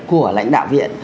của lãnh đạo viện